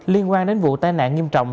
liên quan đến vụ tai nạn nghiêm trọng